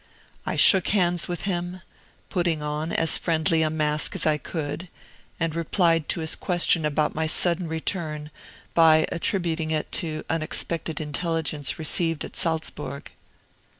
I shook hands with him, putting on as friendly a mask as I could, and replied to his question about my sudden return by attributing it to unexpected intelligence received at Salzburg.